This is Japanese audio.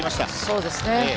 そうですね。